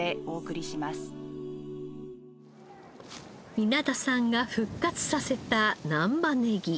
稲田さんが復活させた難波ネギ。